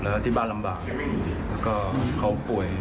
แล้วที่บ้านลำบากแล้วก็เขาป่วย